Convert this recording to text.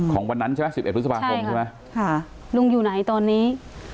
ของวันนั้นใช่ไหม๑๑ศพใช่ไหมลุงอยู่ไหนตอนนี้